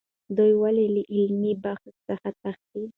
دوی ولې له علمي بحث څخه تښتي؟